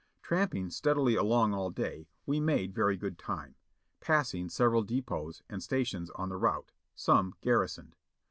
Tramping steadily along all day we made very good time, passing several depots and stations on the route, some gar risoned.